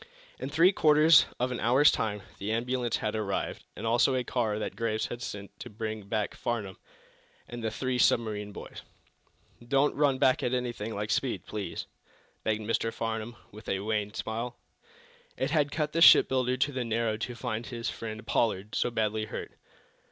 In three quarters of an hour's time the ambulance had arrived, and also a car that Graves had sent to bring back Farnum and the three submarine boys. "Don't run back at anything like speed, please," begged Mr. Farnum, with a wan smile. It had cut the shipbuilder to the marrow to find his friend, Pollard, so badly hurt.